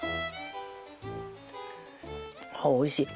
あっおいしい。